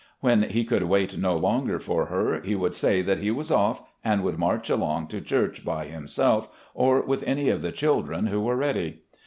When he could wait no longer for her, he would say that he was off and would march along to church by himself, or with any of the children who were ready.